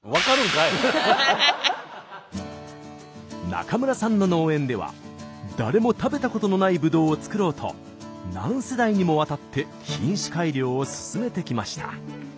中村さんの農園では誰も食べたことのないぶどうを作ろうと何世代にもわたって品種改良を進めてきました。